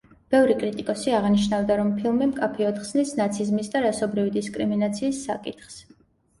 ბევრი კრიტიკოსი აღნიშნავდა, რომ ფილმი მკაფიოდ ხნის ნაციზმის და რასობრივი დისკრიმინაციის საკითხს.